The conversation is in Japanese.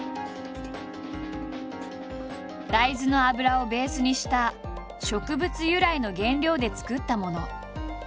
大豆の油をベースにした植物由来の原料で作ったもの。